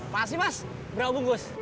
pasti mas berapa bungkus